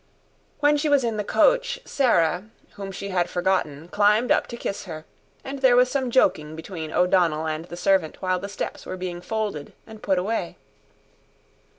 When she was in the coach Sarah, whom she had forgotten climbed up to kiss her; and there was some joking between O'Donnell and the servant while the steps were being folded and put away.